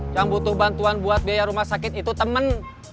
yang butuh bantuan buat biaya rumah sakit itu temen